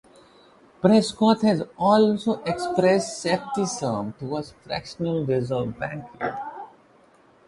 Prescott has also expressed skepticism towards fractional reserve banking.